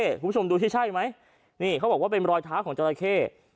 คุณผู้ชมดูที่ใช่ไหมนี่เขาบอกว่าเป็นรอยเท้าของจราเข้